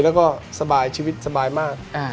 แล้วก็สบายชีวิตสบายมาก